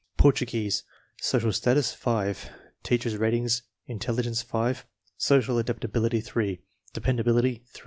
Portuguese, social status 5. Teacher's ratings: intelligence 5, social adaptability 8, de pendability 3.